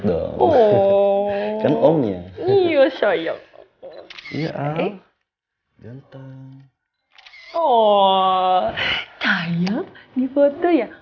oh saya di foto ya